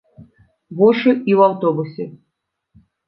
Вошы і ў аўтобусе!